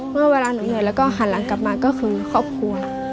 เมื่อเวลาหนูเหนื่อยแล้วก็หันหลังกลับมาก็คือครอบครัว